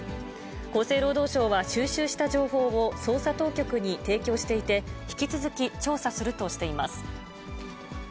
厚生労働省は収集した情報を捜査当局に提供していて、引き続き調査するとしています。